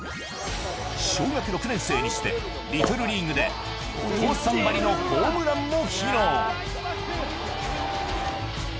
小学６年生にしてリトルリーグでお父さんばりのホームランも披露！